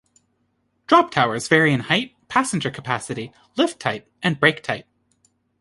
Drop towers vary in height, passenger capacity, lift type, and brake type.